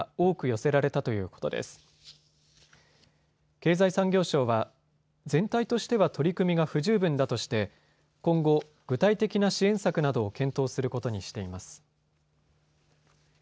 経済産業省は全体としては取り組みが不十分だとして今後、具体的な支援策などを検討することにしています。